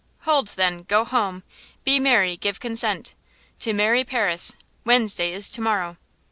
Hold, then! go home, be merry, give consent To marry Paris! Wednesday is to morrow!